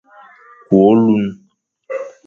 Kü ôlun,